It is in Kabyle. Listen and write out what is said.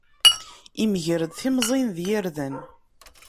Yemger-d timẓin d yirden.